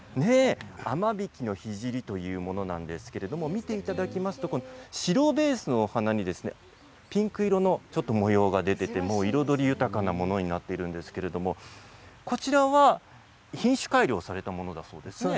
アマビキノヒジリというものなんですけども見ていただきますと白ベースのお花にピンク色の模様が出ていて彩り豊かなものになっているんですけどもこちらは品種改良されたものだそうですね。